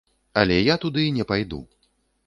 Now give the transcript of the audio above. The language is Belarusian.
Але я туды не пайду.